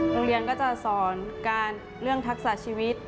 โรงเรียนก็จะสอนการเรื่องทักษะชีวิต